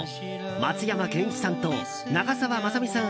松山ケンイチさんと長澤まさみさん